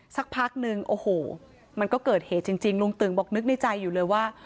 สักพักนึงโอ้โหมันก็เกิดเหตุจริงลุงตึงบอกนึกในใจอยู่เลยว่า